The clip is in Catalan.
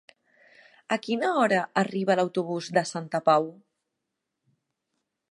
A quina hora arriba l'autobús de Santa Pau?